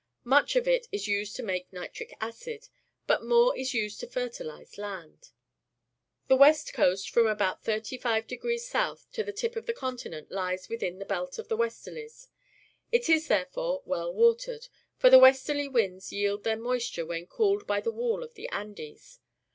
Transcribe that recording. Much of it is used to make nitric acid, but more is used to ferliUze land. The west coast from about 35° S. to the tip of the continent hes within the belt of the westerlies. It is, therefore, well watered, for the westerly winds j ield their moisture when cooled by the wall of the .\ndes.